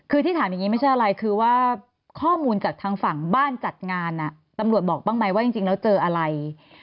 คือที่ถามอย่างนี้ไม่ใช่อะไรคือว่าข้อมูลจากทางฝั่งบ้านจัดงานตำรวจบอกบ้างไหมว่าจริงแล้วเจออะไร